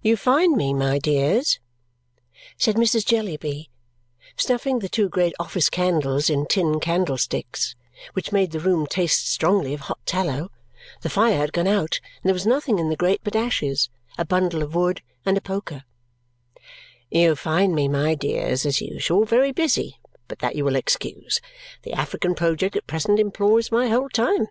"You find me, my dears," said Mrs. Jellyby, snuffing the two great office candles in tin candlesticks, which made the room taste strongly of hot tallow (the fire had gone out, and there was nothing in the grate but ashes, a bundle of wood, and a poker), "you find me, my dears, as usual, very busy; but that you will excuse. The African project at present employs my whole time.